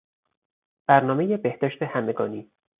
برنامهی بهداشت همگانی